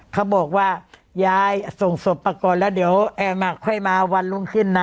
เขาบอกว่ายายส่งศพมาก่อนแล้วเดี๋ยวแอมค่อยมาวันรุ่งขึ้นนะ